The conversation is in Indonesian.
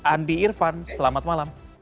andi irfan selamat malam